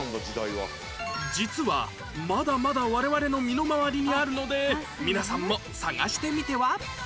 実はまだまだ我々の身の回りにあるので皆さんも探してみては？